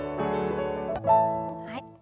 はい。